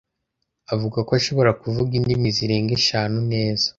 avuga ko ashobora kuvuga indimi zirenga eshanu neza.